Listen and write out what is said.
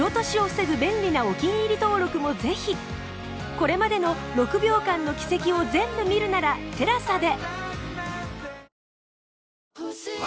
これまでの『６秒間の軌跡』を全部見るなら ＴＥＬＡＳＡ で